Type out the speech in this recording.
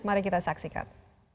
mari kita saksikan